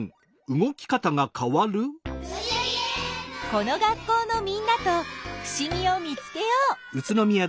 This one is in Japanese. この学校のみんなとふしぎを見つけよう。